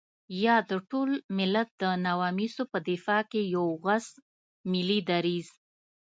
يا د ټول ملت د نواميسو په دفاع کې يو غوڅ ملي دريځ.